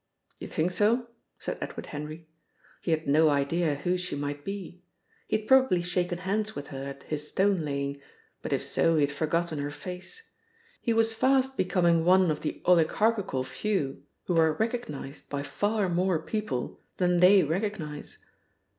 "D'you think so?" said Edward Henry. He had no idea who she might be. He had probably shaken hands with her at his stone laying, but if so he had forgotten her face. He was fast becoming one of the oligarchical few who are recognised by far more people than they recognise.